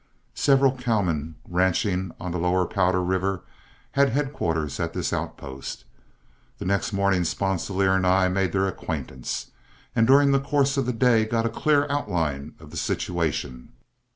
Several cowmen, ranching on the lower Powder River, had headquarters at this outpost. The next morning Sponsilier and I made their acquaintance, and during the course of the day got a clear outline of the situation.